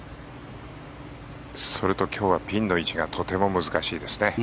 それと今日はピンの位置がとても難しいですね。